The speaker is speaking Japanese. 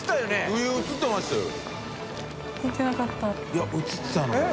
いや映ってたのよ。